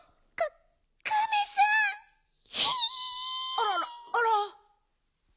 あららあら。